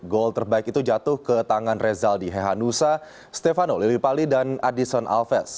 gol terbaik itu jatuh ke tangan rezaldi hehanusa stefano lillipali dan addison alves